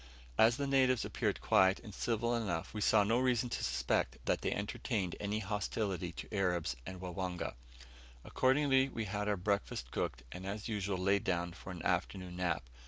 As the natives appeared quiet and civil enough, we saw no reason to suspect that they entertained any hostility to Arabs and Wangwana. Accordingly we had our breakfast cooked, and as usual laid down for an afternoon nap.